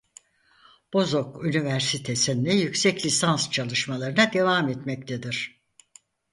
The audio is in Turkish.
Bozok Üniversitesi'nde yüksek lisans çalışmalarına devam etmektedir.